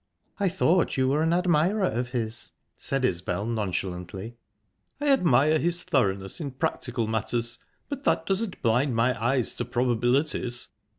"I thought you were an admirer of his," said Isbel nonchalantly. "I admire his thoroughness in practical matters, but that doesn't blind my eyes to probabilities."